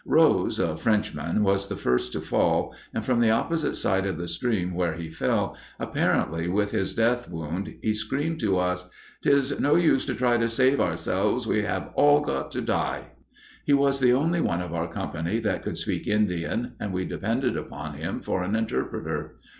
Rose, a Frenchman, was the first to fall, and from the opposite side of the stream where he fell, apparently with his death wound, he screamed to us, "'T is no use to try to save ourselves, we have all got to die." He was the only one of our company that could speak Indian and we depended upon him for an interpreter.